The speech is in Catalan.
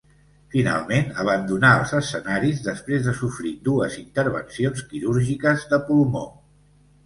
Finalment abandonà els escenaris després de sofrir dues intervencions quirúrgiques de pulmó.